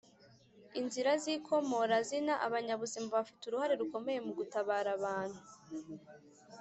inzira z'ikomorazinaabanyabuzima bafite uruhare rukomeye mu gutabara abantu